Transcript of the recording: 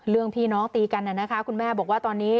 พี่น้องตีกันนะคะคุณแม่บอกว่าตอนนี้